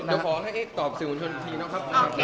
เดี๋ยวขอให้ตอบสิ่งคุณที่เราครับ